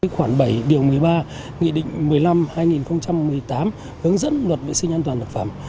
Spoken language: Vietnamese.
khoảng bảy điều một mươi ba nghị định một mươi năm hai nghìn một mươi tám hướng dẫn luật vệ sinh an toàn thực phẩm